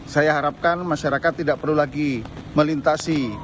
saya harapkan masyarakat tidak perlu lagi melintasi